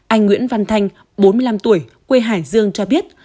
anh nguyễn văn thanh bốn mươi năm tuổi quê hải dương cho biết